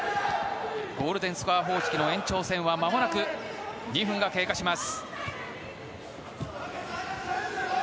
ゴールデンスコア方式の延長戦は２分が経過します。